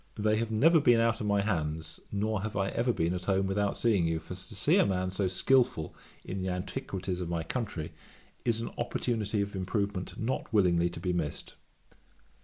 They have never been out of my hands, nor have I ever been at home without seeing you; for to see a man so skilful in the antiquities of my country, is an opportunity of improvement not willingly to be missed.